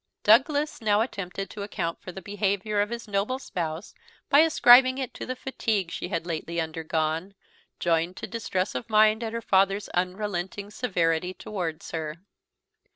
Douglas now attempted to account for the behaviour of his noble spouse by ascribing it to the fatigue she had lately undergone, joined to distress of mind at her father's unrelenting severity towards her.